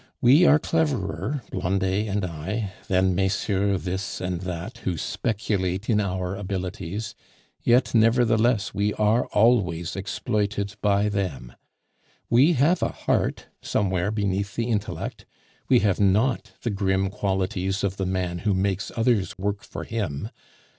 We are cleverer, Blondet and I, than Messieurs This and That, who speculate in our abilities, yet nevertheless we are always exploited by them. We have a heart somewhere beneath the intellect; we have NOT the grim qualities of the man who makes others work for him.